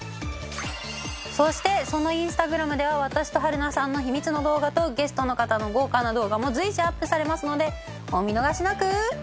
そしてそのインスタグラムでは私と春菜さんの秘密の動画とゲストの方の豪華な動画も随時アップされますのでお見逃しなく！